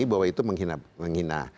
bahwa itu menghina